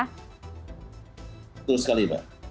terus sekali pak